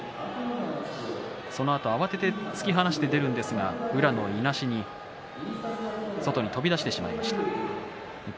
そのあと慌てて突き放して出るんですが宇良のいなしに外に飛び出してしまいました。